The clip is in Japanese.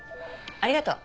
ありがとう。